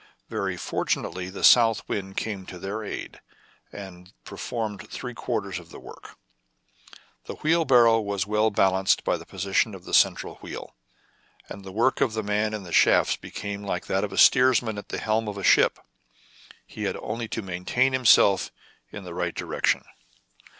Very fortunately the south wind came to their aid, and performed three quarters of the work. The wheelbarrow was well balanced by the position of the central wheel ; and the work of the man in the shafts became like that of the steersman at the helm of a ship : he had only to maintain himself in the right direction.